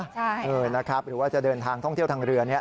ใช่เออนะครับหรือว่าจะเดินทางท่องเที่ยวทางเรือนี้